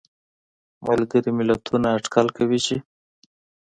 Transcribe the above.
ملګري ملتونه اټکل کوي چې